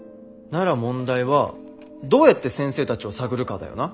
なら問題はどうやって先生たちを探るかだよな。